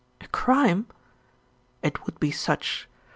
"A crime?" "It would be such.